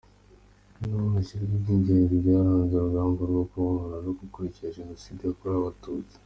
Ni naho hashyirwa iby’ingenzi byaranze urugamba rwo kwibohora no guhagarika jenoside yakorewe Abatutsi.